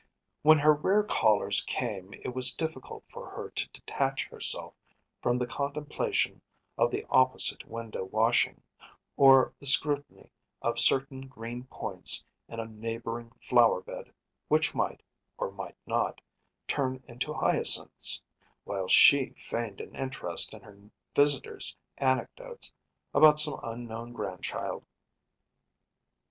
When her rare callers came it was difficult for her to detach herself from the contemplation of the opposite window washing, or the scrutiny of certain green points in a neighboring flower bed which might, or might not, turn into hyacinths, while she feigned an interest in her visitor’s anecdotes about some unknown grandchild.